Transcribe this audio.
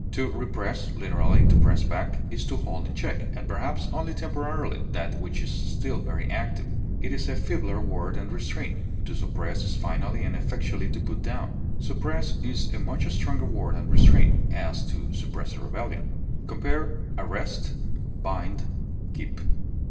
To repress, literally to press back, is to hold in check, and perhaps only temporarily, that which is still very active; it is a feebler word than restrain; to suppress is finally and effectually to put down; suppress is a much stronger word than restrain; as, to suppress a rebellion. Compare ARREST; BIND; KEEP.